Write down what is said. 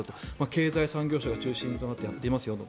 経済産業省が中心となってやっていますよと。